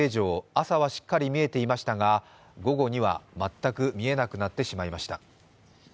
朝はしっかり見えていましたが、午後には全く見えなくなってしまいました。